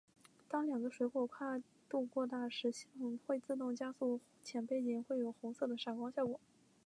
当两个水果跨度过大时系统会自动加速且背景会有红色的闪光效果。